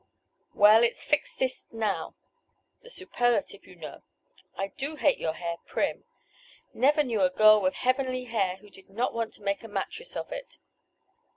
"Well, it's 'fixest' now. The superlative you know. I do hate your hair prim. Never knew a girl with heavenly hair who did not want to make a mattress of it.